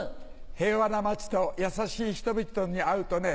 平和な街と優しい人々に会うとね